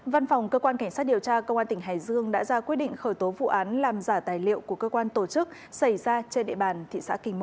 văn phòng cơ quan cảnh sát điều tra công an tỉnh hải dương đã ra quyết định khởi tố vụ án làm giả tài liệu của cơ quan tổ chức xảy ra trên địa bàn thị xã kinh môn